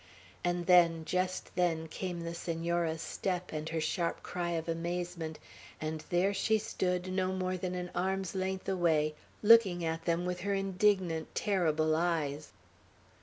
And then, just then, came the Senora's step, and her sharp cry of amazement, and there she stood, no more than an arm's length away, looking at them with her indignant, terrible eyes.